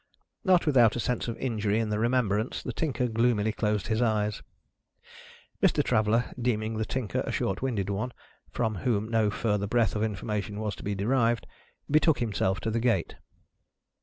Not without a sense of injury in the remembrance, the Tinker gloomily closed his eyes. Mr. Traveller, deeming the Tinker a short winded one, from whom no further breath of information was to be derived, betook himself to the gate.